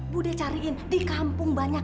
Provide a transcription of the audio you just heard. budi cariin di kampung banyak